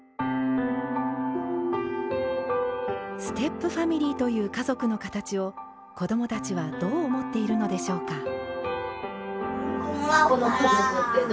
ステップファミリーという家族の形を子どもたちはどう思っているのでしょうか。